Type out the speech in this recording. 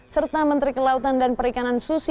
serta menteri kelautan dan perikanan susi